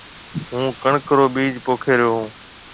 هُون ڪڻڪ رو بِيج پوکي ريو هون۔